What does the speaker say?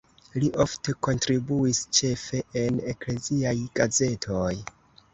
Li ofte kontribuis ĉefe en ekleziaj gazetoj.